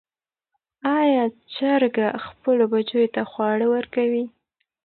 آیا چرګه خپلو بچیو ته خواړه ورکوي؟